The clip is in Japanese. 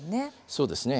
そうですね。